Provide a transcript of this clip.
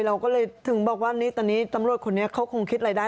เราก็เลยถึงบอกว่าตอนนี้ตำรวจคนนี้เขาคงคิดรายได้